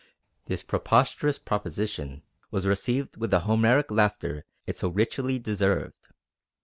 This preposterous proposition was received with the Homeric laughter it so richly deserved.